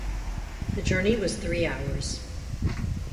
The journey was three hours.